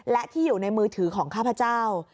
และที่อยู่ในมือถือของข้าพเจ้า